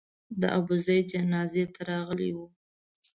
د ابوزید جنازې ته راغلي وو.